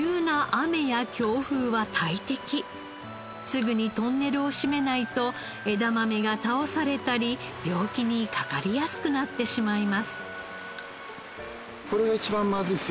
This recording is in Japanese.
すぐにトンネルを閉めないと枝豆が倒されたり病気にかかりやすくなってしまいます。